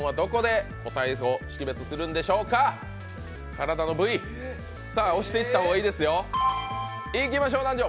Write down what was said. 体の部位、押していった方がいいですよ。